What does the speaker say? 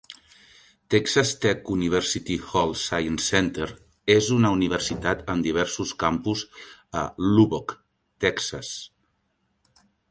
Texas Tech University Health Sciences Center és una universitat amb diversos campus a Lubbock, Texas.